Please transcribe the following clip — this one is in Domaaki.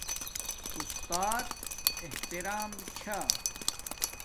استات احترام چھا